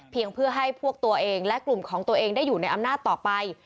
เพื่อให้พวกตัวเองและกลุ่มของตัวเองได้อยู่ในอำนาจต่อไป